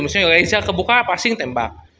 misalnya lezat kebuka passing tembak